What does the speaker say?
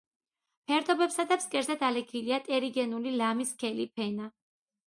ფერდობებსა და ფსკერზე დალექილია ტერიგენული ლამის სქელი ფენა.